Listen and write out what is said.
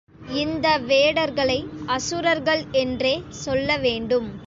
இந்த வேடர்களை அசுரர்கள் என்றே சொல்ல வேண்டும்.